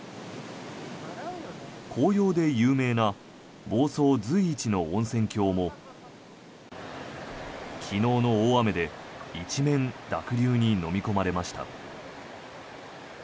紅葉で有名な房総随一の温泉郷も昨日の大雨で一面、濁流にのみ込まれました。